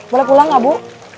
boleh pulang gak bu